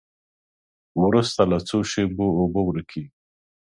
وروسته له څو شېبو اوبه ورکیږي.